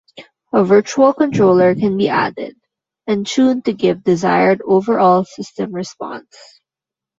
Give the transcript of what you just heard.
A virtual controller can be added and tuned to give desired overall system response.